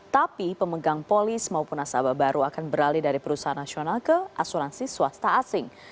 tapi pemegang polis maupun nasabah baru akan beralih dari perusahaan nasional ke asuransi swasta asing